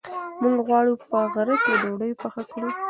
موږ غواړو چې په غره کې ډوډۍ پخه کړو.